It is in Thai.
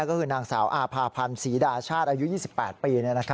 แม่สาวอาภารพันธ์ศรีฐาชาติอายุ๒๘ปี